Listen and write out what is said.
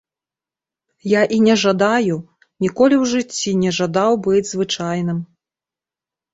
Я і не жадаю, ніколі ў жыцці не жадаў быць звычайным.